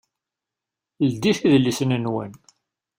Ldit idlisen-nwen!